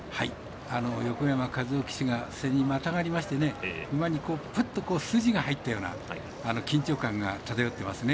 横山和生騎手が背にまたがりまして馬に筋が入ったような緊張感が漂っていますね。